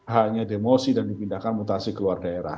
hanya demosi dan dipindahkan mutasi ke luar daerah